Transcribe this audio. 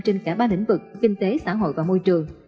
trên cả ba lĩnh vực kinh tế xã hội và môi trường